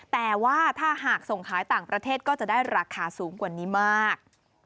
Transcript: แต่ว่าถ้าหากส่งขายต่างประเทศก็จะได้ราคาสูงกว่านี้มาก